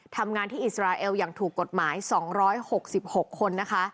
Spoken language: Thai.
ทำงานที่อิสราเอลอย่างถูกกฎหมาย๒๖๖คนนะคะ